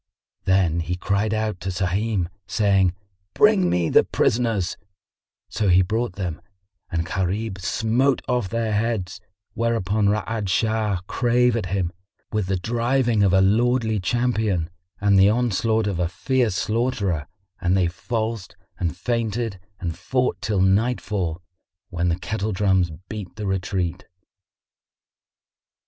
Then he cried out to Sahim, saying, "Bring me the prisoners;" so he brought them, and Gharib smote off their heads; whereupon Ra'ad Shah drave at him, with the driving of a lordly champion and the onslaught of a fierce slaughterer and they falsed and feinted and fought till nightfall, when the kettle drums beat the retreat.